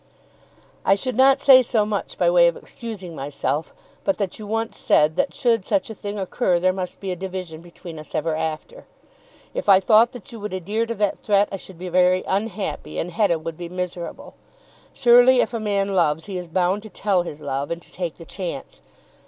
I should not say so much by way of excusing myself, but that you once said, that should such a thing occur there must be a division between us ever after. If I thought that you would adhere to that threat, I should be very unhappy and Hetta would be miserable. Surely, if a man loves he is bound to tell his love, and to take the chance.